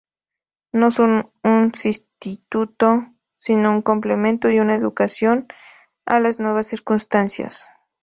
No son un sustituto, sino un complemento y una adecuación a las nuevas circunstancias.